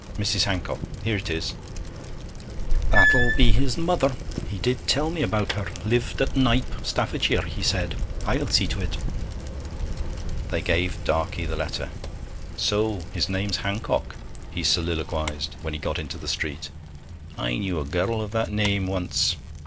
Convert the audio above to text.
Mrs. Hancock here it is.' 'That'll be his mother; he did tell me about her lived at Knype, Staffordshire, he said. I'll see to it.' They gave Darkey the letter. 'So his name's Hancock,' he soliloquized, when he got into the street. 'I knew a girl of that name once.